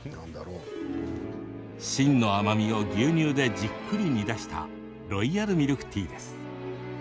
芯の甘みを牛乳でじっくり煮出したロイヤルミルクティーです。